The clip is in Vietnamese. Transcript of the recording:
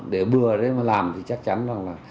để bừa đến mà làm thì chắc chắn là